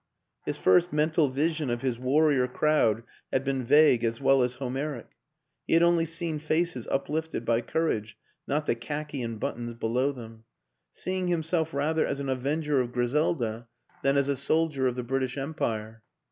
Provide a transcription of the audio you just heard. His first mental vision of his warrior crowd had been vague as well as Homeric; he had only seen faces uplifted by courage, not the khaki and buttons below them seeing himself rather as an avenger of Griselda WILLIAM AN ENGLISHMAN 199 than as a soldier of the British Empire.